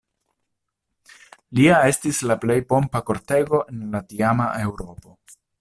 Lia estis la plej pompa kortego en la tiama Eŭropo.